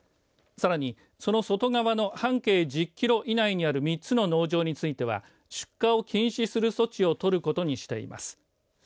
さらにその外側の半径１０キロ以内にある３つの農場については出荷を禁止する措置を取ることにしています。